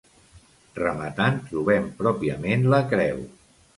Rematant trobem pròpiament la creu.